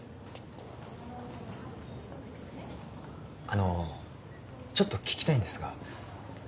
あのちょっと聞きたいんですが。